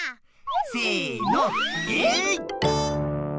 せのえい！